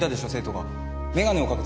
眼鏡をかけてた。